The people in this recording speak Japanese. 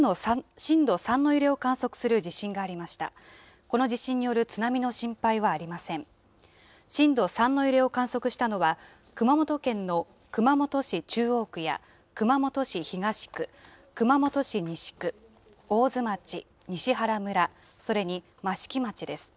震度３の揺れを観測したのは、熊本県の熊本市中央区や熊本市東区、熊本市西区、大津町、西原村、それに益城町です。